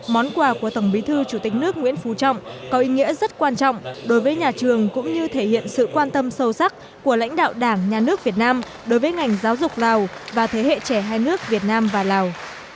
món quà của tổng bí thư chủ tịch nước nguyễn phú trọng có ý nghĩa rất quan trọng đối với nhà trường cũng như thể hiện sự quan tâm sâu sắc của lãnh đạo đảng nhà nước việt nam đối với ngành giáo dục lào và thế hệ trẻ hai nước việt nam và lào